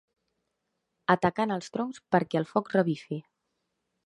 Atacant els troncs perquè el foc revifi.